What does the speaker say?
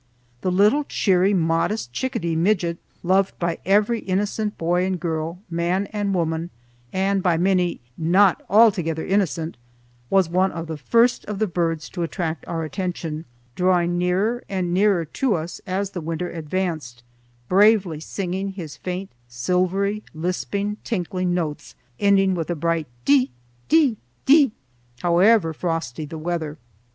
The little cheery, modest chickadee midget, loved by every innocent boy and girl, man and woman, and by many not altogether innocent, was one of the first of the birds to attract our attention, drawing nearer and nearer to us as the winter advanced, bravely singing his faint silvery, lisping, tinkling notes ending with a bright dee, dee, dee! however frosty the weather.